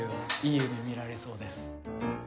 いい夢を見られそうです。